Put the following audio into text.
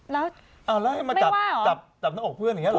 แล้วไม่ว่าเหรอพูดชายก็เพิ่งคบหากันมาแค่ปีเดียวแล้วไม่ว่าเหรอ